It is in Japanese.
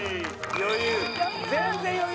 余裕。